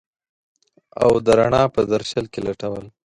او د رڼا په درشل کي لټول